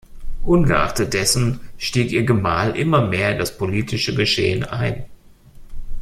Ungeachtet dessen stieg ihr Gemahl immer mehr in das politische Geschehen ein.